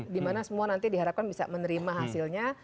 dimana semua nanti diharapkan bisa menerima hasilnya